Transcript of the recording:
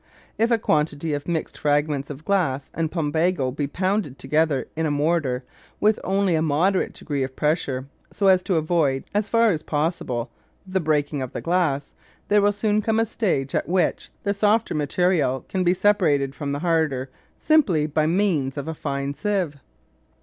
If a quantity of mixed fragments of glass and plumbago be pounded together in a mortar with only a moderate degree of pressure, so as to avoid, as far as possible, the breaking of the glass, there will soon come a stage at which the softer material can be separated from the harder simply by means of a fine sieve.